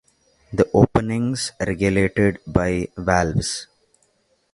The openings regulated by valves.